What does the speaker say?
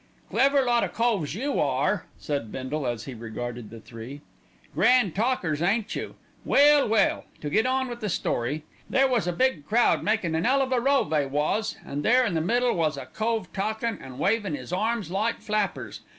"Clever lot o' coves you are," said Bindle as he regarded the three. "Grand talkers, ain't you. Well, well! to get on with the story. "There was a big crowd, makin' an 'ell of a row, they was, an' there in the middle was a cove talkin' an' wavin' 'is arms like flappers.